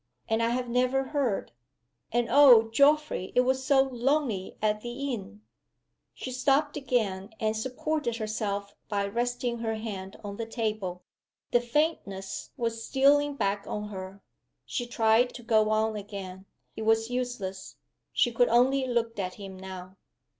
And I have never heard. And oh, Geoffrey, it was so lonely at the inn!" She stopped again, and supported herself by resting her hand on the table. The faintness was stealing back on her. She tried to go on again. It was useless she could only look at him now.